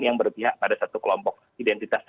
yang berpihak pada satu kelompok identitas